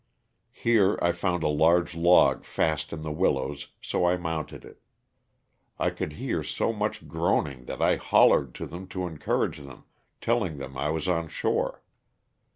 Here I found a large log fast ia the willows so I mounted it. I could hear so much groaning that I *^hollered" to them to encourage them, telling them I was on shore.